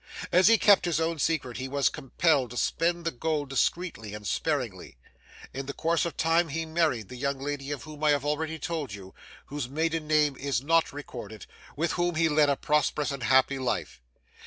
As he kept his own secret, he was compelled to spend the gold discreetly and sparingly. In the course of time he married the young lady of whom I have already told you, whose maiden name is not recorded, with whom he led a prosperous and happy life.